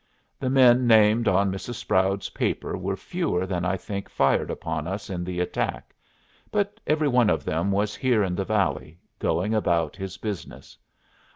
The men named on Mrs. Sproud's paper were fewer than I think fired upon us in the attack, but every one of them was here in the valley, going about his business.